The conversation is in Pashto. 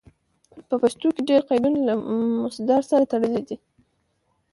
په پښتو کې ډېر قیدونه له مصدر سره تړلي دي.